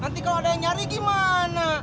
nanti kalau ada yang nyari gimana